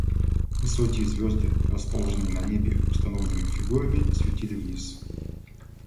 Высокие звезды, расположенные на небе установленными фигурами, светили вниз.